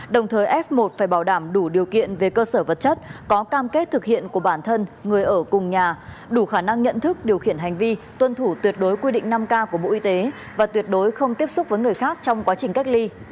đồng thời f một phải bảo đảm đủ điều kiện về cơ sở vật chất có cam kết thực hiện của bản thân người ở cùng nhà đủ khả năng nhận thức điều khiển hành vi tuân thủ tuyệt đối quy định năm k của bộ y tế và tuyệt đối không tiếp xúc với người khác trong quá trình cách ly